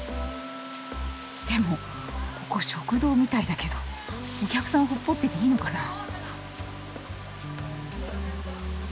でもここ食堂みたいだけどお客さんをほっぽってていいのかなあ。